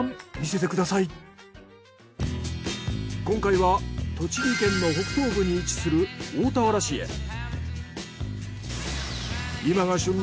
今回は栃木県の北東部に位置する大田原市へ。